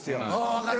分かる。